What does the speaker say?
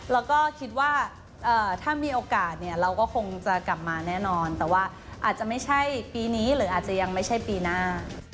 แล้วก็คิดว่าถ้ามีโอกาสเนี่ยเราก็คงจะกลับมาแน่นอนแต่ว่าอาจจะไม่ใช่ปีนี้หรืออาจจะยังไม่ใช่ปีหน้า